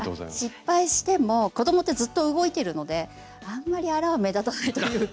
失敗しても子どもってずっと動いてるのであんまりあらは目立たないというか。